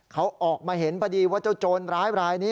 เขาออกมาเห็นพอดีว่าเจ้าโจรร้ายรายนี้